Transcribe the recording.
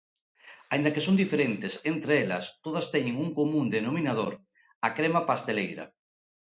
Aínda que son diferentes entre elas, todas teñen un común denominador: a crema pasteleira.